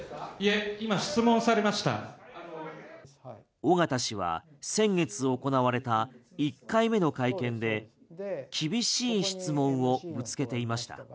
尾形氏は先月行われた１回目の会見で厳しい質問をぶつけていました。